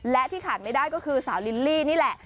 และที่ขาดไม่ได้ก็คือสาวลิลลี่นี่แหละ